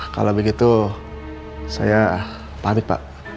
kalau begitu saya panik pak